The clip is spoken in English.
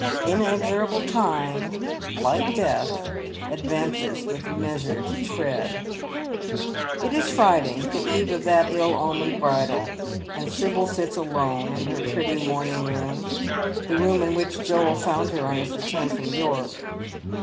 Inexorable time, like death, advances with measured tread. It is Friday, the eve of that ill omened bridal, and Sibyl sits alone in her pretty morning room — the room in which Joel found her on his return from York.